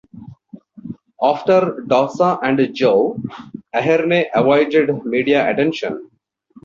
After "Dossa and Joe", Aherne avoided media attention.